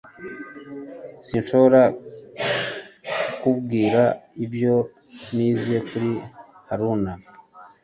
Sinshobora kukubwira ibyo nize kuri Haruna